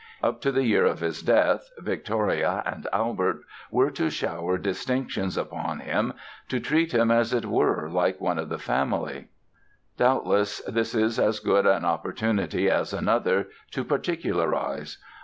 Up to the year of his death Victoria and Albert were to shower distinctions upon him, to treat him, as it were, like one of the family. Doubtless this is as good an opportunity as another to particularize.